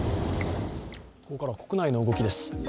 ここからは国内の動きです。